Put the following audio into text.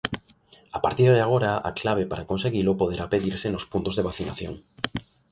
A partir de agora a clave para conseguilo poderá pedirse nos puntos de vacinación.